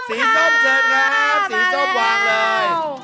ส้มเชิญครับสีส้มวางเลย